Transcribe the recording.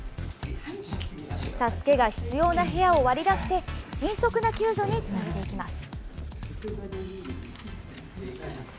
助けが必要な部屋を割り出して迅速な救助につなげていきます。